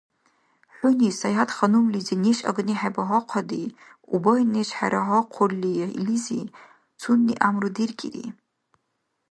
ХӀуни Саятханумлизи неш агни хӀебагьахъади, убай неш хӀерагьахъурли илизи, цунни гӀямру деркӀири